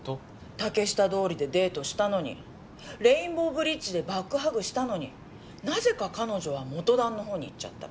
竹下通りでデートしたのにレインボーブリッジでバックハグしたのになぜか彼女は元ダンのほうに行っちゃった。